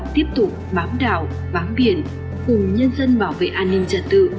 tiếp tục bám đảo bám biển cùng nhân dân bảo vệ an ninh trật tự